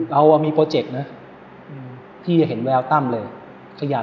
เรามีโปรเจคนะพี่เห็นแววตั้มเลยขยัน